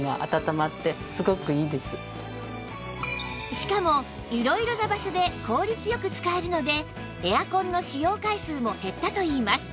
しかも色々な場所で効率良く使えるのでエアコンの使用回数も減ったといいます